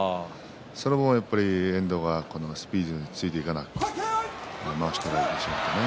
その分、遠藤がスピードについていかずまわしを取られてしまいましたね。